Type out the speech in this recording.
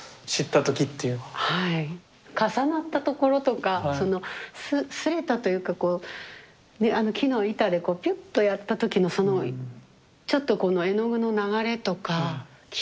重なったところとかその擦れたというかこう木の板でこうピュッとやった時のそのちょっとこの絵の具の流れとかきれいだなと思って。